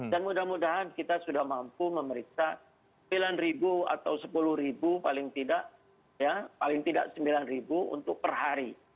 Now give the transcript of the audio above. dan mudah mudahan kita sudah mampu memeriksa sembilan atau sepuluh paling tidak ya paling tidak sembilan untuk perhari